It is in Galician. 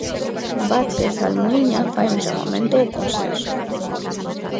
Vázquez Almuíña fai un chamamento ao consenso.